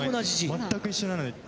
全く一緒なので。